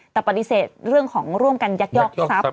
อย่างน้อยทั้งกันยักษ์ยอกทรัพย์